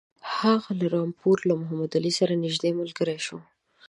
هغه له رامپور له محمدعلي سره نیژدې ملګری شو.